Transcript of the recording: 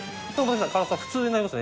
辛さ普通になります。